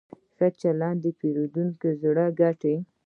ښه چلند د پیرودونکي زړه ګټي.